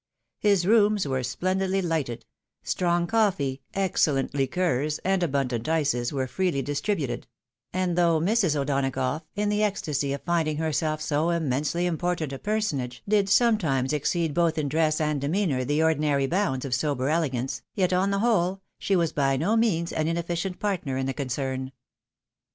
His rooms were splendidly lighted; strong coffee, excellent liqueurs, and abundant ices, were freely distributed ; and though Mrs. O'Donagough, in the ecstasy of finding herself so immensely important a personage, did sometimes exceed both in dress and demeanour the ordinary bounds of sober elegance, yet, on the whole, she was by no means an inefficient partner in the concern.